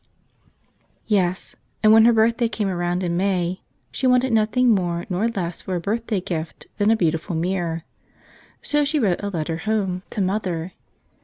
Yes; and when her birthday came around in May she wanted nothing more nor less for a birthday gift than a beautiful mirror. So she wrote a letter home 63 to mother.